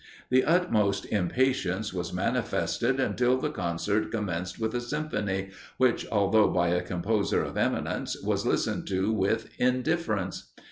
The utmost impatience was manifested until the concert commenced with a symphony, which, although by a composer of eminence, was listened to with indifference.